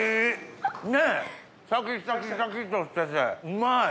うまい！